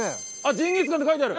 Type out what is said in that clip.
ジンギスカンって書いてある！